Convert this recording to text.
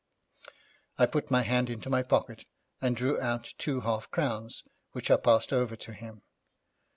I put my hand into my pocket, and drew out two half crowns, which I passed over to him.